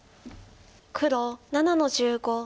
黒７の十五。